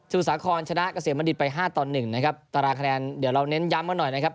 สาครชนะเกษมบัณฑิตไปห้าต่อหนึ่งนะครับตารางคะแนนเดี๋ยวเราเน้นย้ำกันหน่อยนะครับ